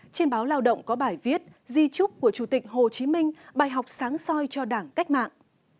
trên báo lao động có bài viết di trúc của chủ tịch hồ chí minh bài học sáng soi cho đảng cách mạng